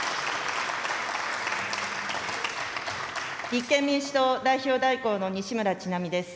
立憲民主党代表代行の西村智奈美です。